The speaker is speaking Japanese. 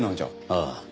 ああ。